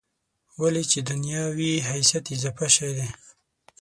ولې چې دنیا وي حیثیت اضافي شی دی.